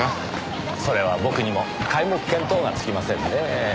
それは僕にも皆目見当がつきませんねぇ。